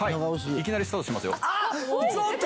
いきなりスタートしますよ。